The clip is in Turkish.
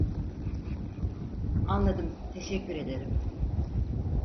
Anladım, teşekkür ederim